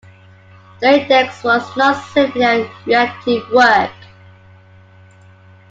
The "Index" was not simply a reactive work.